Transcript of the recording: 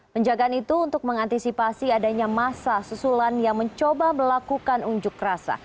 penjagaan itu untuk mengantisipasi adanya masa susulan yang mencoba melakukan unjuk rasa